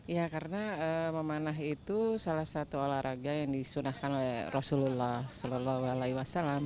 ya karena memanah itu salah satu olahraga yang disunahkan oleh rasulullah saw